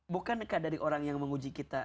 bukan dekat dari orang yang menguji kita